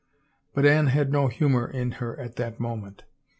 But Anne had no humor in her at that moment.